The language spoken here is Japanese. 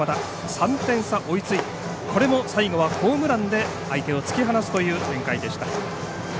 ３点差、追いついてこれも最後はホームランで相手を突き放すという展開でした。